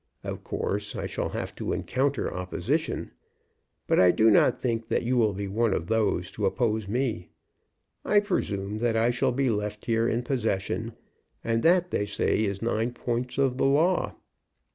Of course I shall have to encounter opposition, but I do not think that you will be one of those to oppose me. I presume that I shall be left here in possession, and that, they say, is nine points of the law.